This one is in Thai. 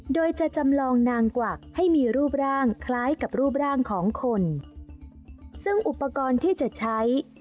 โดยจะจำลองนางกวักให้มีรูปร่างคล้ายกับรูปร่างของคนซึ่งอุปกรณ์ที่จะใช้